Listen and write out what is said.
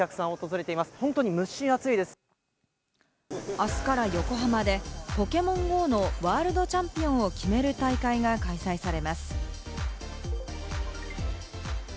あすから横浜でポケモンＧＯのワールドチャンピオンを決める大会が開催されます。